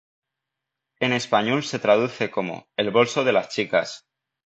En español se traduce como "El bolso de las chicas".